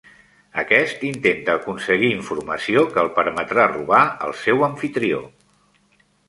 Aquest intenta aconseguir informació que el permetrà robar al seu amfitrió.